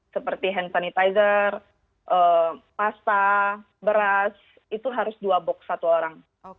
seperti hand sanitizer pasta beras itu harus dua box satu orang